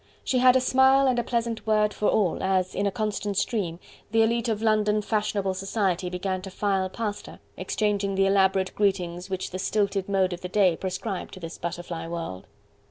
She had a smile and a pleasant word for all, as, in a constant stream, the elite of London fashionable society began to file past her, exchanging the elaborate greetings which the stilted mode of the day prescribed to this butterfly world.